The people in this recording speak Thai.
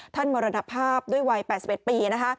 ท่านมรณภาพด้วยวัย๘๑ปี